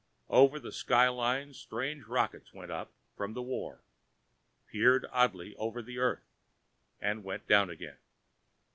Over the sky line strange rockets went up from the war, peered oddly over the earth and went down again.